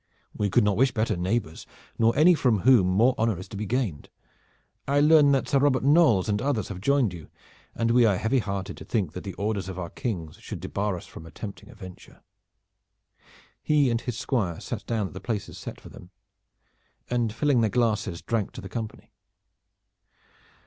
We could not wish better neighbors nor any from whom more honor is to be gained. I learn that Sir Robert Knolles and others have joined you, and we are heavy hearted to think that the orders of our Kings should debar us from attempting a venture." He and his squire sat down at the places set for them, and filling their glasses drank to the company.